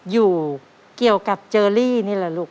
อยู่เกี่ยวกับเจอรี่นี่แหละลูก